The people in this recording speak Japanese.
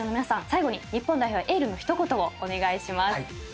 最後に日本代表へエールの一言をお願いします。